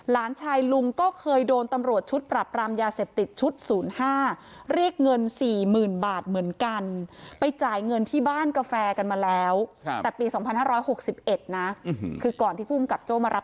ล้านชายลุงก็เคยโดนตำรวจชุดปรับรามยาเสพติดชุด๐๕